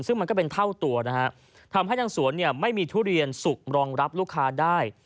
ซึ่งมันก็เป็นเท่าตัวนะฮะทำให้ทางสวนเนี่ยไม่มีทุเรียนสุกรองรับลูกค้าได้